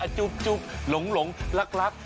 จุ๊บจุ๊บหลงหลงรักรัก